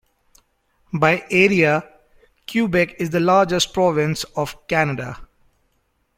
By area, Quebec is the largest province of Canada.